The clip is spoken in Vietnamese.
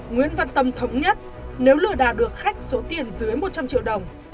nguyễn văn tâm thống nhất nếu lừa đảo được khách số tiền dưới một trăm linh triệu đồng